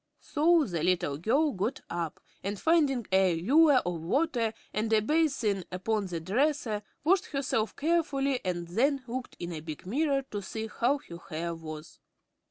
So the little girl got up and, finding a ewer of water and a basin upon the dresser, washed herself carefully and then looked in a big mirror to see how her hair was.